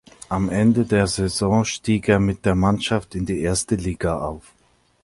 Am Ende der Saison stieg er mit der Mannschaft in die erste Liga auf.